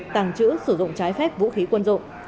tàng trữ sử dụng trái phép vũ khí quân dụng